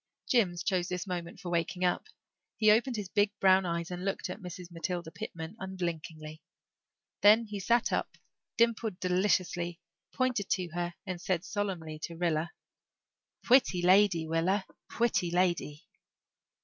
Jims chose this moment for waking up. He opened his big brown eyes and looked at Mrs. Matilda Pitman unblinkingly. Then he sat up, dimpled deliciously, pointed to her and said solemnly to Rilla, "Pwitty lady, Willa, pwitty lady."